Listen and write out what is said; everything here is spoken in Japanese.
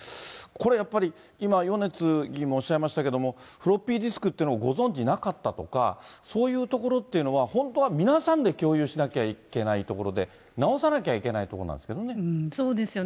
これやっぱり、今、米津議員もおっしゃいましたけれども、フロッピーディスクっていうのをご存じなかったとか、そういうところっていうのは、本当は皆さんで共有しなきゃいけないところで、直さなきゃいけなそうですよね。